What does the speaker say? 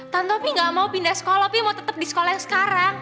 tontopi gak mau pindah sekolah pi mau tetap di sekolah yang sekarang